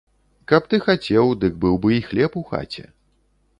Каб ты хацеў, дык быў бы і хлеб у хаце.